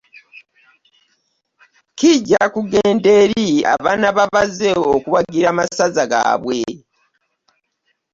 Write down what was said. Kijja kigenda eri abanaaba bazze okuwagira amasaza gaabwe